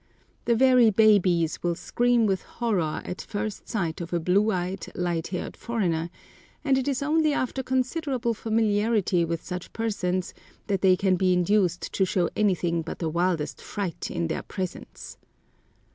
The very babies will scream with horror at first sight of a blue eyed, light haired foreigner, and it is only after considerable familiarity with such persons that they can be induced to show anything but the wildest fright in their presence.